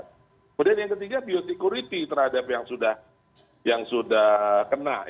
kemudian yang ketiga biotikuriti terhadap yang sudah kena yang sudah sampai